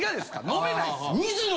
飲めないっすよ。